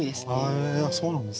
へえそうなんですね。